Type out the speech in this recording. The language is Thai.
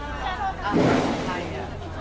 อาหารสุภัย